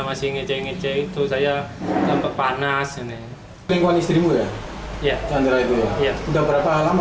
masih kece itu saya tambah panas sini penemuan istrimu ya iya adalah itu ya udah berapa lama